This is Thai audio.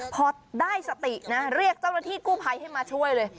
พอได้สตินะเรียกเจ้าหน้าที่กู้ภัยให้มาช่วยเลย